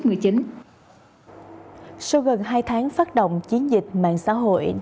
sau gần hai tháng phát động chiến dịch mạng xã hội